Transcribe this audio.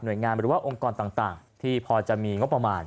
โดยงานหรือว่าองค์กรต่างที่พอจะมีงบประมาณ